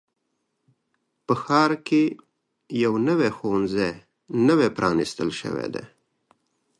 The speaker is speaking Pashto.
په ښار کې یو نوي ښوونځی نوی پرانیستل شوی دی.